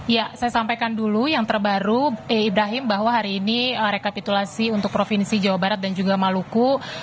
ya saya sampaikan dulu yang terbaru ibrahim bahwa hari ini rekapitulasi untuk provinsi jawa barat dan juga maluku